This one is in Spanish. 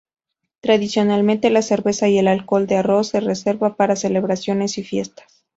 Tradicionalmente, la cerveza y el alcohol de arroz se reservan para celebraciones y fiestas.